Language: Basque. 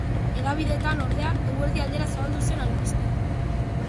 Hedabideetan, ordea, eguerdi aldera zabaldu zen albistea.